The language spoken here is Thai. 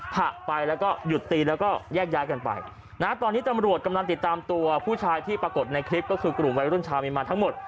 ผักไปแล้วก็หยุดตีแล้วก็แยกย้ายกันไปนะตอนนี้ตำรวจกำลังติดตามตัวผู้ชายที่ปรากฏในคลิปก็คือกลุ่มวัยรุ่นชาวเมียนมาทั้งหมด